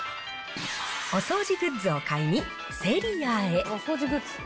お掃除グッズを買いに、セリアへ。